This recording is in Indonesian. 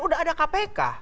sudah ada kpk